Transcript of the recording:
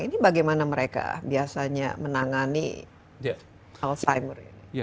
ini bagaimana mereka biasanya menangani alzheimer ini